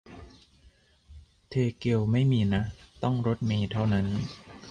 เทเกลไม่มีนะ ต้องรถเมล์เท่านั้น